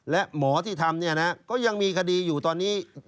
และหมอที่ทำก็ยังมีคดีอยู่ตอนนี้